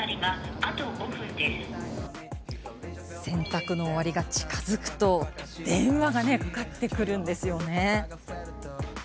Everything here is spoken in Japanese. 洗濯の終わりが近づくと電話がかかってくるんです。